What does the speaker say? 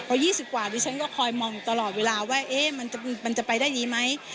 พอยี่สิบกว่าดิฉันก็คอยมองตลอดเวลาว่าเอ๊ะมันจะมันจะไปได้ดีไหม